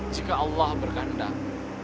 jika allah berkandang